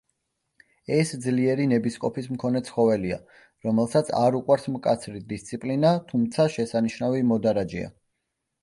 ეს ძლიერი ნებისყოფის მქონე ცხოველია, რომელსაც არ უყვარს მკაცრი დისციპლინა, თუმცა შესანიშნავი მოდარაჯეა.